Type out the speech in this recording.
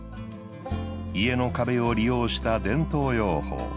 家の壁を利用した伝統養蜂。